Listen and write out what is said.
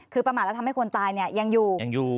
คือประมาทแล้วทำให้คนตายเนี่ยยังอยู่ยังอยู่